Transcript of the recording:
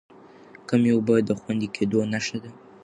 کمې اوبه د خوندي کېدو نښه ده.